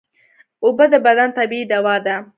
اوبه د بدن طبیعي دوا ده